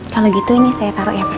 kalau gitu ini saya taruh ya pak